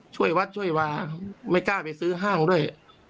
ช่วยวัดช่วยวาไม่กล้าไปซื้อห้างด้วย